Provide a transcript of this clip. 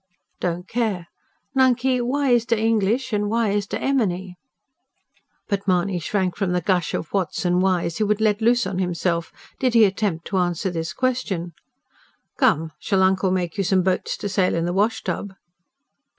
"Don't care. Nunkey, why is de English and why is de emeny?" But Mahony shrank from the gush of whats and whys he would let loose on himself, did he attempt to answer this question. "Come, shall uncle make you some boats to sail in the wash tub?"